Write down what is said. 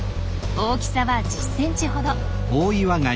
大きさは１０センチほど。